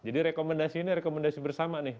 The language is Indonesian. jadi rekomendasi ini rekomendasi bersama nih